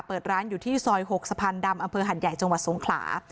เปิดร้านอยู่ที่ซอย๖สะพานดำอำเภอหัดใหญ่จังหวัดสงขลา